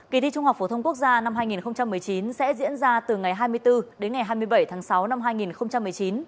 kỳ thi trung học phổ thông quốc gia năm hai nghìn một mươi chín sẽ diễn ra từ ngày hai mươi bốn đến ngày hai mươi bảy tháng sáu năm hai nghìn một mươi chín